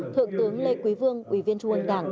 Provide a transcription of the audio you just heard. thượng tướng lê quý vương ủy viên trung ương đảng